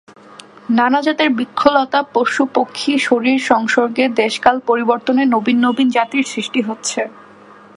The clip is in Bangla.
নানাজাতের বৃক্ষলতা পশুপক্ষী শরীর সংসর্গে দেশ-কাল-পরিবর্তনে নবীন নবীন জাতির সৃষ্টি হচ্ছে।